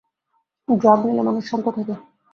Drug নিলে মানুষ শান্ত থাকে।